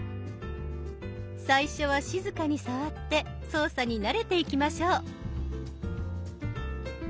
最初は静かに触って操作に慣れていきましょう。